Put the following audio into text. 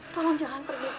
tolong jangan pergi kan